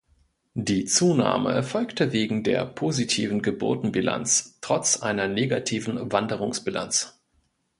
Die Zunahme erfolgte wegen der positiven Geburtenbilanz trotz einer negativen Wanderungsbilanz.